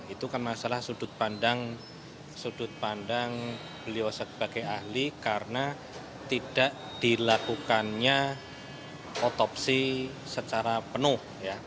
itu kan masalah sudut pandang beliau sebagai ahli karena tidak dilakukannya otopsi secara penuh